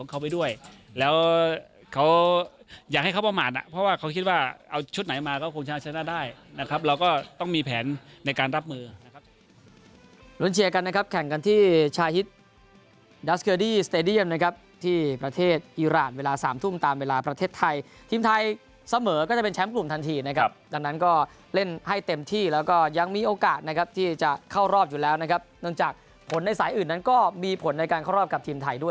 เอาชุดไหนมาก็คงจะชนะได้นะครับเราก็ต้องมีแผนในการรับมือนะครับ